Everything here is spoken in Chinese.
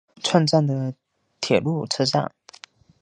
串站的铁路车站。